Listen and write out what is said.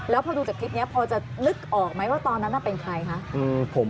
แล้วพอดูจากคลิปนี้พอจะนึกออกไหมว่าตอนนั้นเป็นใครคะ